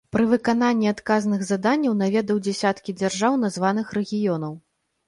Пры выкананні адказных заданняў наведаў дзясяткі дзяржаў названых рэгіёнаў.